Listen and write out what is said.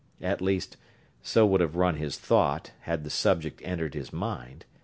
At least, so would have run his thought had the subject entered his mind.